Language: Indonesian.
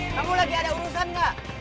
kamu lagi ada urusan nggak